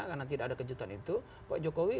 karena tidak ada kejutan itu pak jokowi